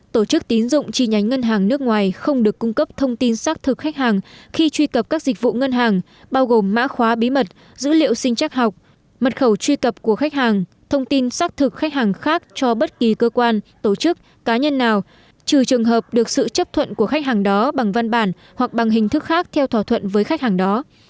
tổ chức tín dụng chi nhánh ngân hàng nước ngoài không được cung cấp thông tin xác thực khách hàng khi truy cập các dịch vụ ngân hàng bao gồm mã khóa bí mật dữ liệu sinh trách học mật khẩu truy cập của khách hàng thông tin xác thực khách hàng khác cho bất kỳ cơ quan tổ chức cá nhân nào trừ trường hợp được sự chấp thuận của khách hàng đó bằng văn bản hoặc bằng hình thức khác theo thỏa thuận với khách hàng đó